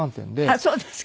あっそうですか。